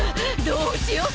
どうしよう！？